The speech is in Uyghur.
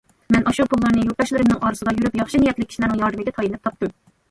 مەن ئاشۇ پۇللارنى يۇرتداشلىرىمنىڭ ئارىسىدا يۈرۈپ، ياخشى نىيەتلىك كىشىلەرنىڭ ياردىمىگە تايىنىپ تاپتىم.